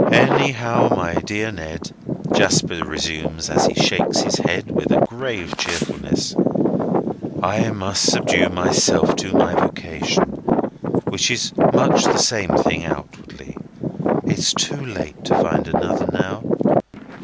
"Anyhow, my dear Ned," Jasper resumes, as he shakes his head with a grave cheerfulness, "I must subdue myself to my vocation: which is much the same thing outwardly. It's too late to find another now.